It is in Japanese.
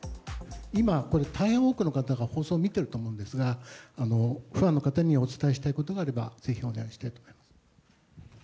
今、これ、大変多くの方が放送見てると思うんですが、ファンの方にお伝えしたいことがあれば、ぜひお願いしたいと思います。